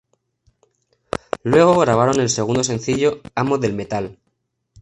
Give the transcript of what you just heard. Luego grabaron el segundo sencillo "Amo Del Metal".